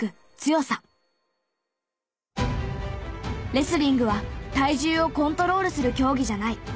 レスリングは体重をコントロールする競技じゃない。